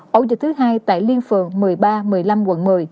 ổ dịch thứ hai tại liên phường một mươi ba một mươi năm quận một mươi